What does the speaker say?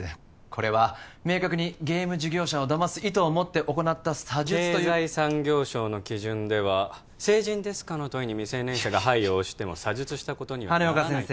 これは明確にゲーム事業者をだます意図を持って行った詐術と経済産業省の基準では「成人ですか？」の問いに未成年者が「はい」を押しても詐術したことにはならない羽根岡先生